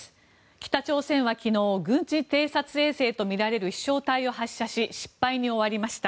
北朝鮮は昨日軍事偵察衛星とみられる飛翔体を発射し失敗に終わりました。